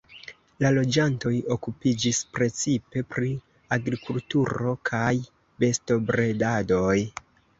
La loĝantoj okupiĝis precipe pri agrikulturo kaj bestobredadoj.